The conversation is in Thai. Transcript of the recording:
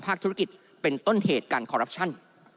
ธุรกิจเป็นต้นเหตุการคอรัปชั่น